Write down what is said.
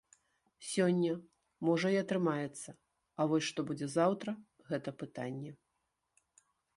Сёння, можа, і атрымаецца, а вось што будзе заўтра, гэта пытанне.